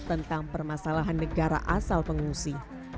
tentang permasalahan negara asal pengungsi